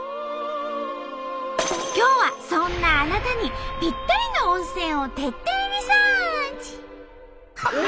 今日はそんなあなたにぴったりの温泉を徹底リサーチ！